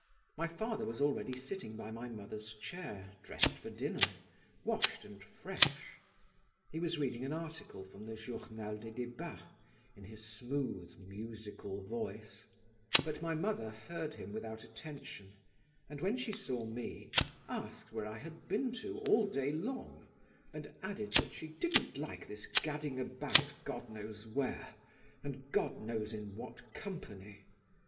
My father was already sitting by my mother's chair, dressed for dinner, washed and fresh; he was reading an article from the Journal des Débats in his smooth musical voice; but my mother heard him without attention, and when she saw me, asked where I had been to all day long, and added that she didn't like this gadding about God knows where, and God knows in what company.